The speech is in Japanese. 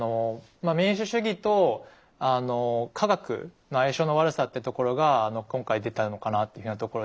まあ民主主義と科学の相性の悪さっていうところが今回出たのかなというふうなところで。